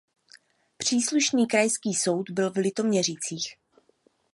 Příslušný krajský soud byl v Litoměřicích.